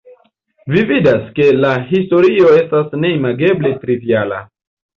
Vi vidas, ke la historio estas neimageble triviala.